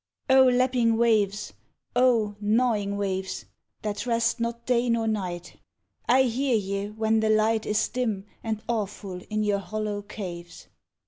Oh lapping waves! oh gnawing waves! That rest not day nor night, I hear ye when the light Is dim and awful in your hollow caves.